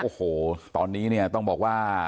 โอ้โหตอนนี้ต้องบอกว่า